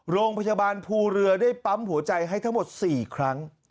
โรงพยาบาลภูเรือได้ปั๊มหัวใจให้ทั้งหมด๔ครั้ง